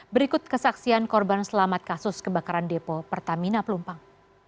berikut kesaksian korban selamat kasus kebakaran depo pertamina pelumpang